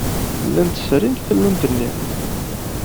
Llant srint tallunt-nni.